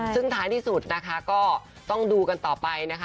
ซึ่งท้ายที่สุดนะคะก็ต้องดูกันต่อไปนะคะ